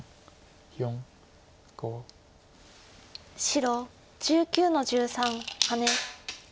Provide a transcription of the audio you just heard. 白１９の十三ハネ。